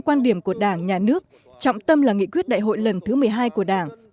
quan điểm của đảng nhà nước trọng tâm là nghị quyết đại hội lần thứ một mươi hai của đảng